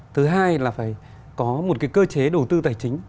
thứ hai là phải có một cái cơ chế đầu tư tài chính